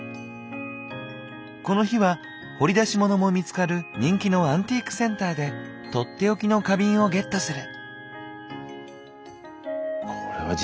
この日は掘り出し物も見つかる人気のアンティークセンターで取って置きの花瓶をゲットする。